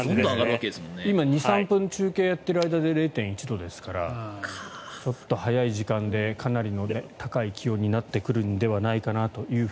今、中継が始まって数分で０．１度ですからちょっと早い時間でかなりの高い気温になってくるんではないかなと。